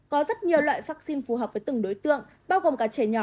có rất nhiều loại vaccine phù hợp với từng đối tượng bao gồm cả trẻ nhỏ